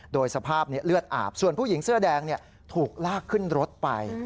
โดยสภาพเลือดอาบส่วนผู้หญิงเสื้อแดงถูกลากขึ้นรถไป